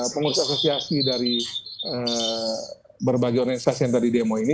pengurus asosiasi dari berbagai organisasi yang tadi demo ini